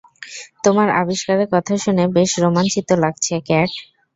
তোমার আবিষ্কারের কথা শুনে বেশ রোমাঞ্চিত লাগছে, ক্যাট।